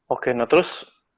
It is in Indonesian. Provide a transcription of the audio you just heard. oke nah terus